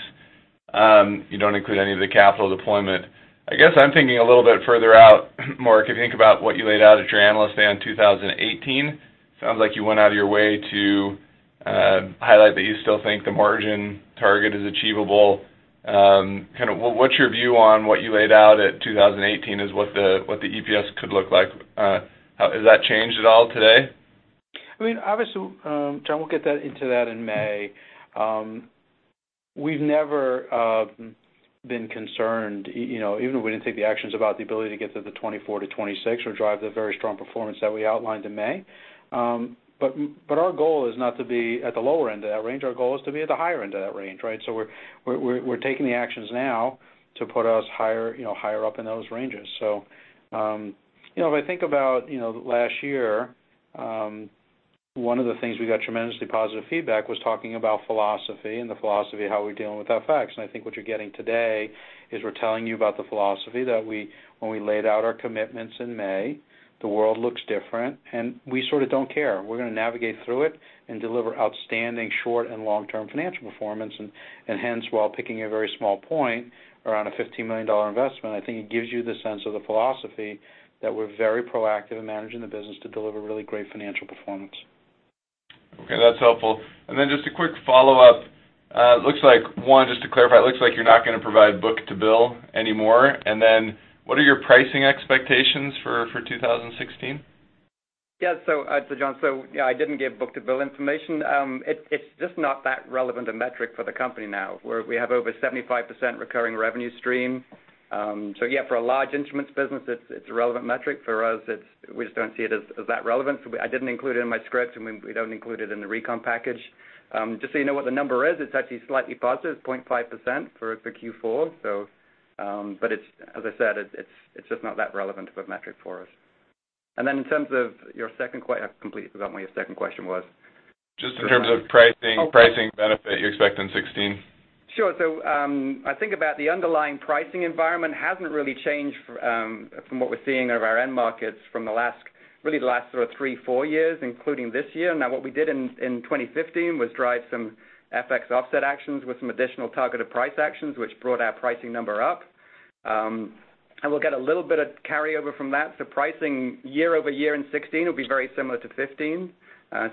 You don't include any of the capital deployment. I guess I'm thinking a little bit further out, Marc, if you think about what you laid out at your Analyst Day in 2018, sounds like you went out of your way to highlight that you still think the margin target is achievable. What's your view on what you laid out at 2018 is what the EPS could look like. Has that changed at all today? Jon, we'll get into that in May. We've never been concerned, even if we didn't take the actions about the ability to get to the 24 to 26 or drive the very strong performance that we outlined in May. Our goal is not to be at the lower end of that range. Our goal is to be at the higher end of that range, right? We're taking the actions now to put us higher up in those ranges. If I think about last year, one of the things we got tremendously positive feedback was talking about philosophy and the philosophy of how we're dealing with FX. I think what you're getting today is we're telling you about the philosophy that when we laid out our commitments in May, the world looks different, and we sort of don't care. We're going to navigate through it and deliver outstanding short and long-term financial performance, and hence, while picking a very small point around a $15 million investment, I think it gives you the sense of the philosophy that we're very proactive in managing the business to deliver really great financial performance. Okay, that's helpful. Just a quick follow-up. One, just to clarify, it looks like you're not going to provide book-to-bill anymore. What are your pricing expectations for 2016? Yeah. John, I didn't give book-to-bill information. It's just not that relevant a metric for the company now, where we have over 75% recurring revenue stream. Yeah, for a large instruments business, it's a relevant metric. For us, we just don't see it as that relevant. I didn't include it in my script, and we don't include it in the recon package. Just so you know what the number is, it's actually slightly positive, it's 0.5% for Q4. As I said, it's just not that relevant of a metric for us. In terms of your second, I completely forgot what your second question was. Just in terms of pricing benefit you expect in 2016. Sure. I think about the underlying pricing environment hasn't really changed from what we're seeing of our end markets from, really, the last sort of three, four years, including this year. Now, what we did in 2015 was drive some FX offset actions with some additional targeted price actions, which brought our pricing number up. We'll get a little bit of carryover from that. Pricing year-over-year in 2016 will be very similar to 2015,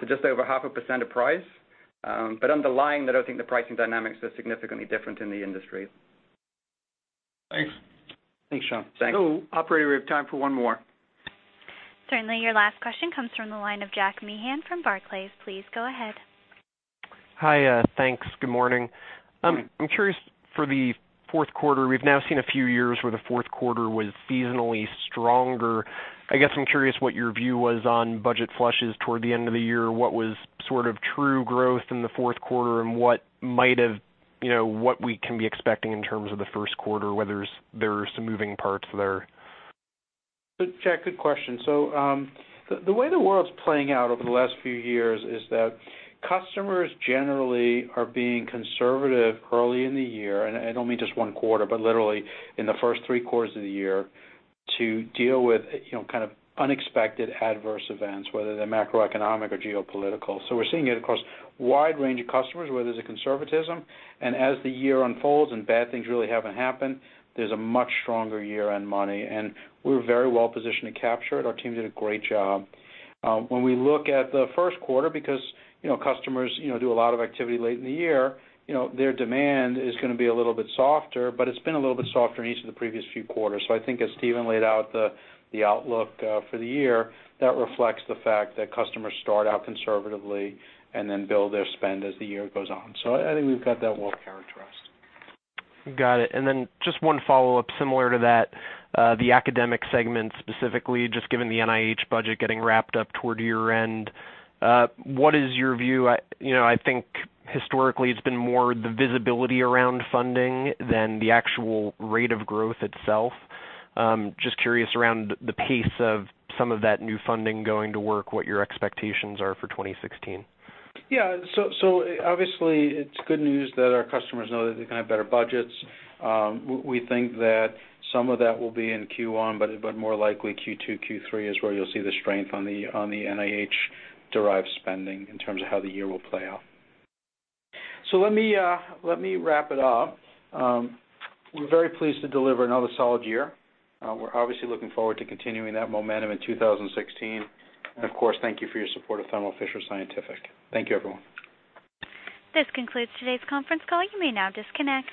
just over half a percent of price. Underlying that, I think the pricing dynamics are significantly different in the industry. Thanks. Thanks, Jon. Thanks. Operator, we have time for one more. Certainly. Your last question comes from the line of Jack Meehan from Barclays. Please go ahead. Hi. Thanks. Good morning. I'm curious for the fourth quarter, we've now seen a few years where the fourth quarter was seasonally stronger. I guess I'm curious what your view was on budget flushes toward the end of the year. What was sort of true growth in the fourth quarter and what we can be expecting in terms of the first quarter, whether there's some moving parts there? Jack, good question. The way the world's playing out over the last few years is that customers generally are being conservative early in the year, and I don't mean just one quarter, but literally in the first three quarters of the year to deal with unexpected adverse events, whether they're macroeconomic or geopolitical. We're seeing it across a wide range of customers where there's a conservatism, and as the year unfolds and bad things really haven't happened, there's a much stronger year-end money, and we're very well positioned to capture it. Our team did a great job. When we look at the first quarter, because customers do a lot of activity late in the year, their demand is going to be a little bit softer, but it's been a little bit softer in each of the previous few quarters. I think as Stephen laid out the outlook for the year, that reflects the fact that customers start out conservatively and then build their spend as the year goes on. I think we've got that well characterized. Got it. Just one follow-up similar to that. The academic segment specifically, just given the NIH budget getting wrapped up toward year-end, what is your view? I think historically it's been more the visibility around funding than the actual rate of growth itself. Just curious around the pace of some of that new funding going to work, what your expectations are for 2016. Yeah. Obviously it's good news that our customers know that they can have better budgets. We think that some of that will be in Q1, but more likely Q2, Q3 is where you'll see the strength on the NIH-derived spending in terms of how the year will play out. Let me wrap it up. We're very pleased to deliver another solid year. We're obviously looking forward to continuing that momentum in 2016. Of course, thank you for your support of Thermo Fisher Scientific. Thank you, everyone. This concludes today's conference call. You may now disconnect.